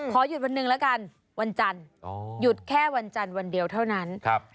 ขอหยุดวันหนึ่งแล้วกันวันจันทร์หยุดแค่วันจันทร์วันเดียวเท่านั้น